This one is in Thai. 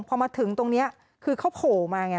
พอมาถึงตรงนี้คือเขาโผล่มาไง